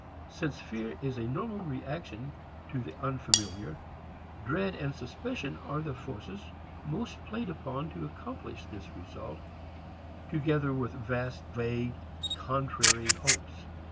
Since fear is a normal reaction to the unfamiliar, dread and suspicion are the forces most played upon to accomplish this result, together with vast vague contrary hopes.